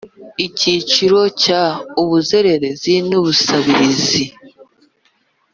Icyiciro cya ubuzererezi n ubusabirizi